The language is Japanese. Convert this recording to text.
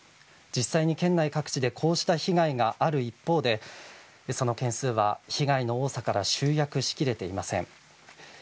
実際に県内各地でこうした被害がある一方で、その件数は被害の多さから集約しきれていません。